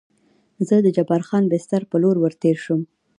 زه د جبار خان بستر په لور ور تېر شوم.